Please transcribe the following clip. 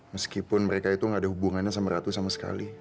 meskipun mereka itu gak ada hubungannya sama ratu sama sekali